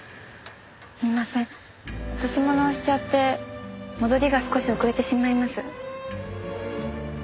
すみません落とし物をしちゃって戻りが少し遅れてしまいます。